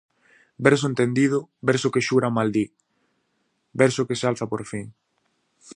Verso entendido, verso que xura e maldí, verso que se alza por fin.